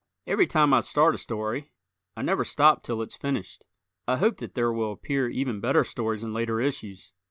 Every time I start a story I never stop till it's finished. I hope that there will appear even better stories in later issues.